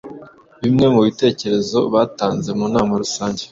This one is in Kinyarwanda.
Bimwe mu bitekerezo batanze mu nama rusange